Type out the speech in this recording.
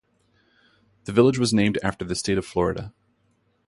The village was named after the state of Florida.